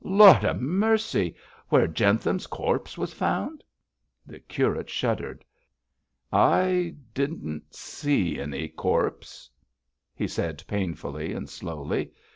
'Lord ha' mercy! Where Jentham's corpse was found?' The curate shuddered. 'I didn't see any corpse,' he said, painfully and slowly.